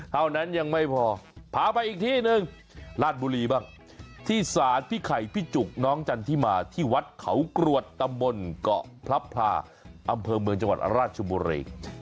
เท่านั้นยังไม่พอพาไปอีกที่หนึ่งราชบุรีบ้างที่ศาลพี่ไข่พี่จุกน้องจันทิมาที่วัดเขากรวดตำบลเกาะพลับพลาอำเภอเมืองจังหวัดราชบุรี